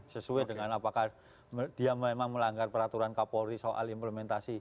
sesuai dengan apakah dia memang melanggar peraturan kapolri soal implementasi